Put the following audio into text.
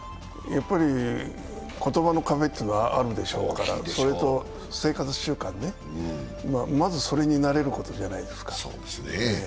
言葉の壁というのはあるでしょうから、それと生活習慣ね、まずそれに慣れることじゃないですか。